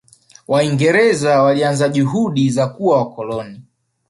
Waingereza walianza juhudi za kuwa wakoloni